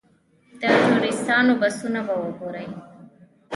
د ټوریسټانو بسونه به وګورئ.